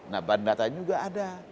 nah bandara juga ada